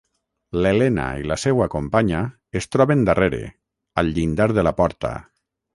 L'Elena i la seua companya es troben darrere, al llindar de la porta.